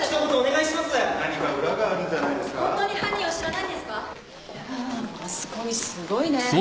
いやマスコミすごいね。